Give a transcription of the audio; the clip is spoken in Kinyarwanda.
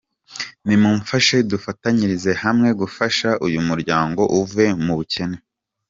Nimumfashe dufatanyirize hamwe gufasha uyu muryango uve mu bukene!!”.